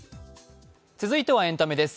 続いてはエンタメです。